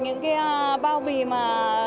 những cái bao bì mà